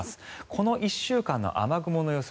この１週間の雨雲の様子